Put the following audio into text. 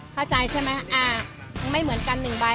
เข้าใจใช่ไหมไม่เหมือนกัน๑ใบ